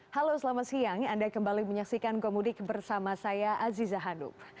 halo selamat siang anda kembali menyaksikan gomudik bersama saya aziza hanum